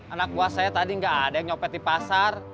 anak buah saya tadi nggak ada yang nyopet di pasar